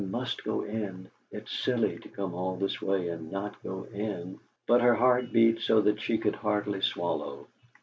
must go in; it's silly to come all this way and not go in!' But her heart beat so that she could hardly swallow.